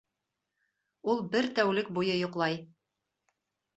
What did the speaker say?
Ул бер тәүлек буйы йоҡлай.